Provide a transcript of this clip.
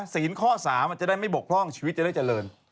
ศีลข้อ๓มันจะได้ไม่บกพร่องชีวิตจะได้เจริญ